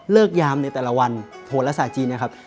ยามในแต่ละวันโหลศาสตร์จีนนะครับ